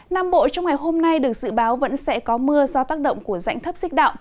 nam bộ trong ngày hôm nay được dự báo vẫn sẽ có mưa do tác động của dãy thấp xích đạo